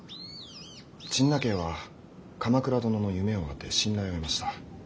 陳和は鎌倉殿の夢を当て信頼を得ました。